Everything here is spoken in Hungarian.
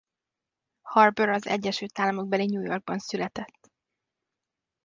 Harbour az egyesült államokbeli New Yorkban született.